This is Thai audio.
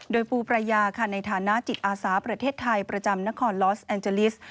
โดยปูปรายาค่ะในฐานะจิตอาสาประเทศไทยประจำนครลอสแอนเจลิส